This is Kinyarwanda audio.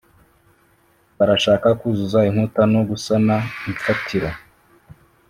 Barashaka kuzuza inkuta, no gusana imfatiro